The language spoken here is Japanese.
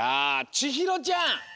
ちひろちゃん